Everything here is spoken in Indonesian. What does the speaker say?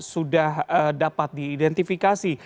sudah dapat diidentifikasi